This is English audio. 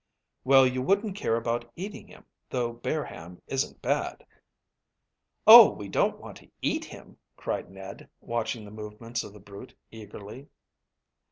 "Well, you wouldn't care about eating him, though bear ham isn't bad." "Oh, we don't want to eat him," cried Ned, watching the movements of the brute eagerly.